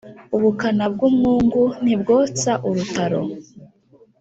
Ubukana bw’umwungu ntibwotsa urutaro.